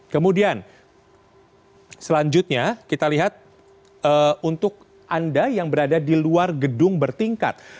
kemudian selanjutnya kita lihat untuk anda yang berada di luar gedung bertingkat